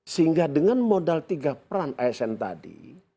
sehingga dengan modal tiga peran asn tadi